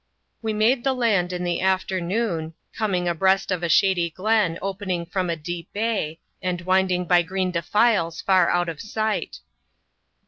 We made the land in the afternoon, coming abreast of a shady glen opening from a deep bay, and winding by green defiles far out of sight.